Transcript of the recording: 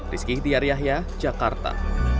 rizky tiar yahya jakarta